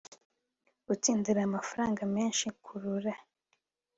gutsindira amafaranga menshi Kurura